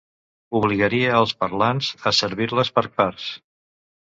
Obligaria els parlants a servir-les per parts.